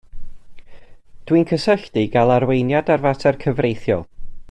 Dwi'n cysylltu i gael arweiniad ar fater cyfreithiol